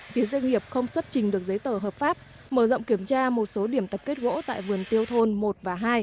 phía doanh nghiệp không xuất trình được giấy tờ hợp pháp mở rộng kiểm tra một số điểm tập kết gỗ tại vườn tiêu thôn một và hai